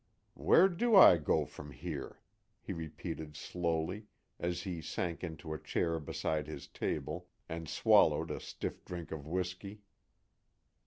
"Where do I go from here?" he repeated slowly, as he sank into a chair beside his table, and swallowed a stiff drink of whiskey.